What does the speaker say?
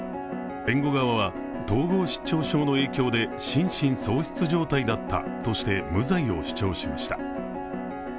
弁護側は、統合失調症の影響で心神喪失状態だったとして無罪を主張しました。